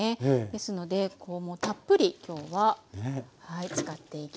ですのでたっぷり今日は使っていきます。